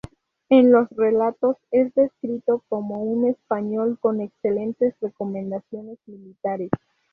En los relatos, es descrito como "un español con excelentes recomendaciones militares".